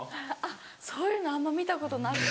そういうのあんま見たことなくて。